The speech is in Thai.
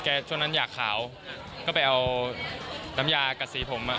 ช่วงนั้นอยากขาวก็ไปเอาน้ำยากับสีผมอ่ะ